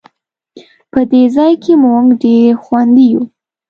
په دې ځای کې مونږ ډېر خوندي یو